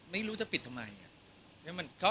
ไม่รู้จะปิดทำไม